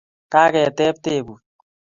Kaketeb tebut